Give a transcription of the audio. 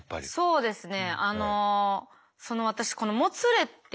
そうですね。